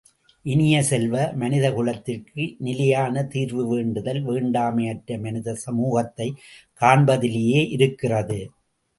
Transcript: இனிய செல்வ, மனித குலத்திற்கு நிலையான தீர்வு வேண்டுதல் வேண்டாமை அற்ற மனித சமூகத்தைக் காண்பதிலேயே இருக்கிறது.